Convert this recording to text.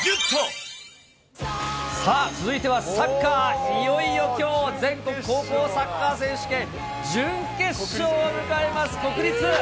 さあ、続いてはサッカー、いよいよきょう、全国高校サッカー選手権、準決勝を迎えます、国立。